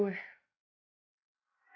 udah lah rik